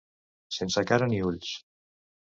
Sense cara ni ulls.